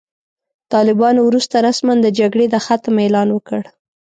طالبانو وروسته رسماً د جګړې د ختم اعلان وکړ.